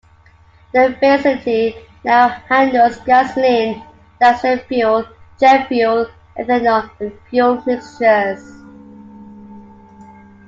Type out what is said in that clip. The facility now handles gasoline, diesel fuel, jet fuel, ethanol, and fuel mixtures.